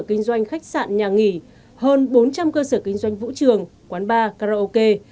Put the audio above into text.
kinh doanh khách sạn nhà nghỉ hơn bốn trăm linh cơ sở kinh doanh vũ trường quán bar karaoke